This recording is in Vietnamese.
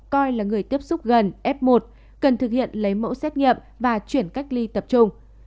coi là người tiếp xúc gần f một cần thực hiện lấy mẫu xét nghiệm và chuyển cách ly tập trung